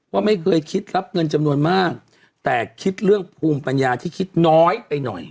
ว่าไม่เคยคิดรับเงินจำนวนมากแต่คิดเรื่องภูมิปัญญาที่คิดน้อยไปหน่อย